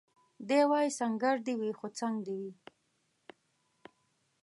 دی وايي سنګر دي وي خو څنګ دي وي